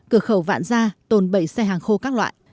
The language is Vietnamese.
cửa khẩu vạn gia tồn bảy xe hàng khô các loại